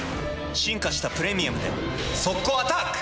進化した「プレミアム」で速攻アタック！